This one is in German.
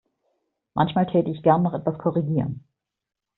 Manchmal täte ich gern noch etwas korrigieren.